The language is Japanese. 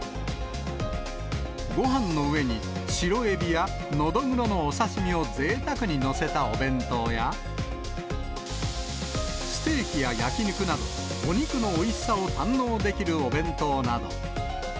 ごはんの上に白エビやノドグロのお刺身をぜいたくに載せたお弁当や、ステーキや焼き肉など、お肉のおいしさを堪能できるお弁当など。